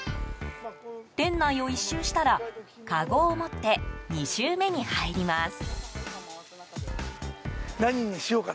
店内を１周したらかごを持って２周目に入ります。